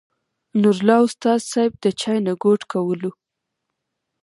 نور الله استاذ صېب د چاے نه ګوټ کولو